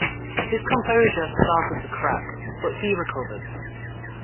His composure started to crack, but he recovered.